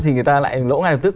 thì người ta lại lỗ ngay lập tức